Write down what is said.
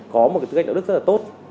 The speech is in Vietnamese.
có một cái tư cách năng lực rất là tốt